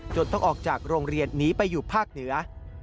ต้องออกจากโรงเรียนหนีไปอยู่ภาคเหนือ